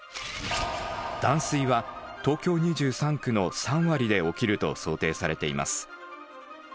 断水は東京２３区の３割で起きると想定されています。